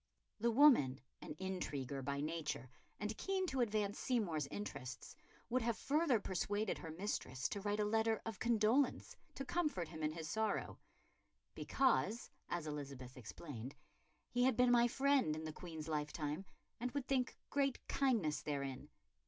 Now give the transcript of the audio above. '" The woman, an intriguer by nature and keen to advance Seymour's interests, would have further persuaded her mistress to write a letter of condolence to comfort him in his sorrow, "because," as Elizabeth explained, "he had been my friend in the Queen's lifetime and would think great kindness therein.